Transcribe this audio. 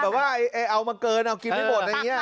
ปรับแบบว่าเอามาเกินเอากินไม่หมดอย่างนี้